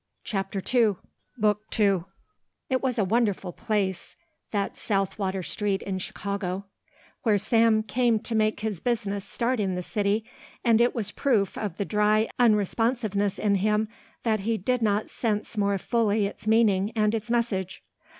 CHAPTER II It was a wonderful place, that South Water Street in Chicago where Sam came to make his business start in the city, and it was proof of the dry unresponsiveness in him that he did not sense more fully its meaning and its message.